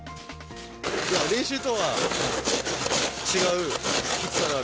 練習とは違うきつさがある。